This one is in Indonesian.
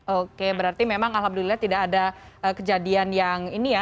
oke berarti memang alhamdulillah tidak ada kejadian yang ini ya